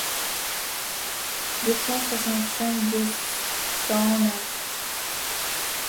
deux cent soixante-cinq deux cent neuf.